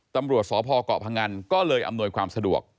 ตำรวจสพเกาะพงันก็เลยอำนวยความสะดวก